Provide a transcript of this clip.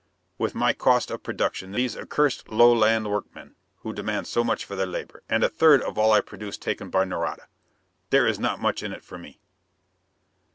With my cost of production these accursed Lowland workmen who demand so much for their labor, and a third of all I produce taken by Nareda there is not much in it for me."